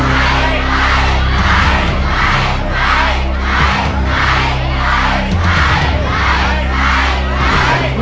ไม่ใช้ครับ